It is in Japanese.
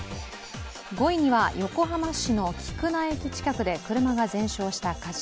５位には横浜市の菊名駅近くで車が全焼した火事。